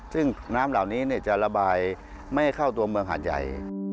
ซึ่งน้ำเหล่านี้จะระบายไม่ให้เข้าตัวเมืองหาดใหญ่